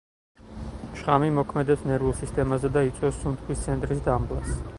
შხამი მოქმედებს ნერვულ სისტემაზე და იწვევს სუნთქვის ცენტრის დამბლას.